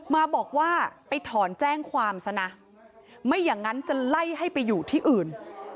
มาบอกว่าไปถอนแจ้งความซะนะไม่อย่างนั้นจะไล่ให้ไปอยู่ที่อื่น